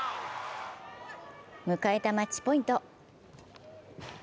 迎えたマッチポイント。